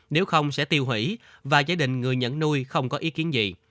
nếu không sẽ tiêu hủy và gia đình người nhận nuôi không có ý kiến gì